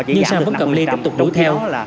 nhưng sài vẫn cầm ly tiếp tục đuổi theo